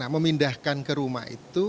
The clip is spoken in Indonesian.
memindahkan ke rumah itu